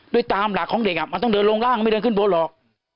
ด้วยตามหลักของเด็กมันต้องเดินลงร่างไม่เดินขึ้นบนหรอก